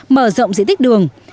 mở rộng diện tích đường